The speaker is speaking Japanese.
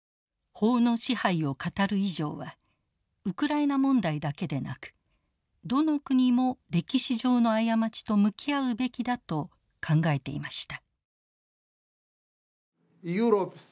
法の支配を語る以上はウクライナ問題だけでなくどの国も歴史上の過ちと向き合うべきだと考えていました。